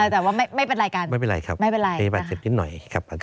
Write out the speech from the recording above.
แต่ว่าไม่เป็นรายการไม่เป็นไรครับไม่เป็นไรมีบาดเจ็บนิดหน่อยครับ